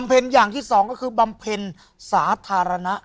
อย่างที่สองก็คือบำเพ็ญสาธารณะ